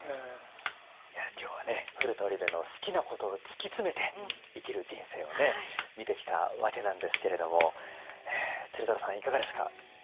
いや今日はね古田織部の好きなことを突き詰めて生きる人生を見てきたわけなんですけれども鶴太郎さんいかがですか？